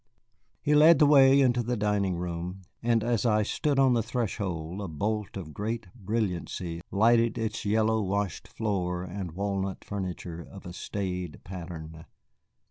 He led the way into the dining room, and as I stood on the threshold a bolt of great brilliancy lighted its yellow washed floor and walnut furniture of a staid pattern.